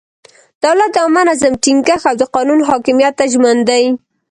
دولت د عامه نظم ټینګښت او د قانون حاکمیت ته ژمن دی.